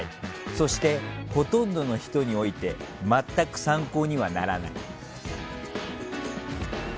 そして、ほとんどの人において全く参考にはならない。